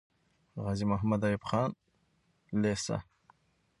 غازي محمد ايوب خان لیسه